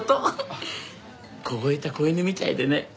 凍えた子犬みたいでね。